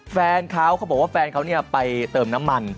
แฟนเขาเขาบอกว่าแฟนเขาเนี่ยไปเติมน้ำมัน